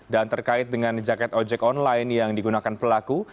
dan terkait dengan jaket ojek online yang digunakan pelaku